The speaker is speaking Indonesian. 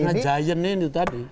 karena giant ini tadi